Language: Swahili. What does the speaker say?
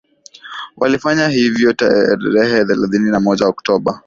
walifanya hivyo tarehe thelathini na moja oktoba